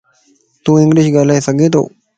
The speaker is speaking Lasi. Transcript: تون انگلش ڳالھائي سڳي تو؟